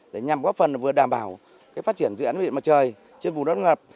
để nhằm góp phần vừa đảm bảo phát triển dự án địa mặt trời trên vùng đất bán ngập